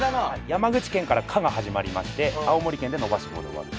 山口県から「カ」が始まりまして青森県で「伸ばし棒」で終わる。